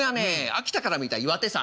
秋田から見た岩手山。